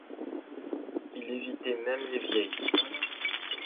Il évitait même les vieilles.